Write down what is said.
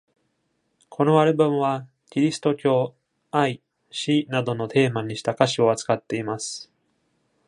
このアルバムはキリスト教、愛、死などのテーマにした歌詞を扱っています。